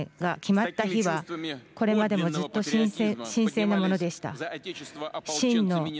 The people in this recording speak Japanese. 祖国の防衛の運命が決まった日はこれまでもずっと神聖なものでした。